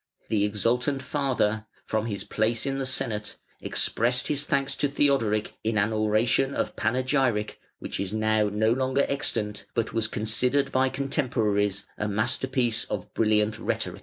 The exultant father, from his place in the Senate, expressed his thanks to Theodoric in an oration of panegyric, which is now no longer extant, but was considered by contemporaries a masterpiece of brilliant rhetoric.